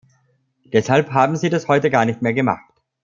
Deshalb haben Sie das heute gar nicht mehr gemacht.